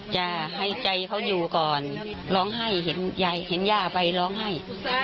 จะให้ใจเขาอยู่ก่อนร้องไห้เห็นยายเห็นย่าไปร้องไห้